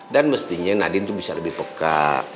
dan mestinya nadine tuh bisa lebih peka